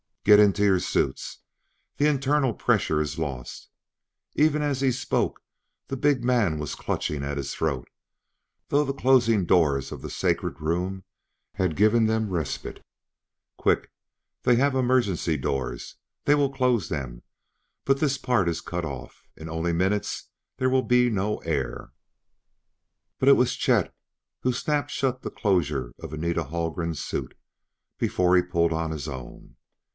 "Get into your suits! The internal pressure is lost." Even as he spoke the big man was clutching at his throat, though the closing doors of the sacred room had given them respite. "Quick! They have emergency doors. They will close them but this part is cut off. In only minutes there will be no air!" But it was Chet who snapped shut the closure of Anita Haldgren's suit before he pulled on his own.